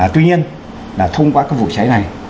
tuy nhiên là thông qua các vụ cháy này